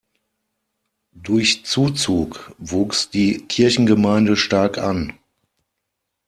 Durch Zuzug wuchs die Kirchengemeinde stark an.